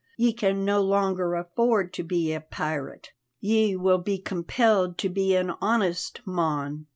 Ye can no longer afford to be a pirate; ye will be compelled to be an honest mon.